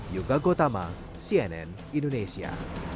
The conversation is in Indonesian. yuka gotama cnn indonesia